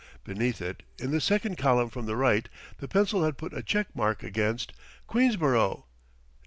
Beneath it, in the second column from the right, the pencil had put a check mark against: QUEENSBOROUGH